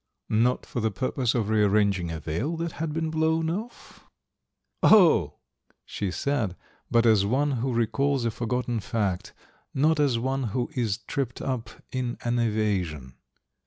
"Not for the purpose of rearranging a veil that had been blown off?" "Oh!" she said, but as one who recalls a forgotten fact, not as one who is tripped up in an evasion.